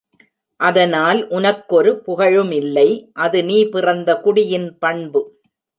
அதனால் உனக்கொரு புகழுமில்லை அது நீ பிறந்த குடியின் பண்பு.